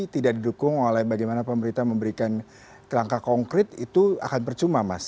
tidak didukung oleh bagaimana pemerintah memberikan kerangka konkret itu akan percuma mas